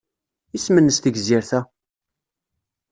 Isem-nnes tegzirt-a?